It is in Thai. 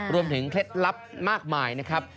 เคล็ดลับมากมายนะครับ